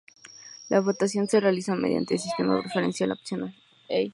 La votación se realiza mediante el sistema preferencial opcional.